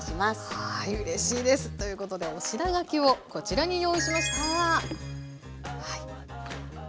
はいうれしいです。ということでお品書きをこちらに用意しました！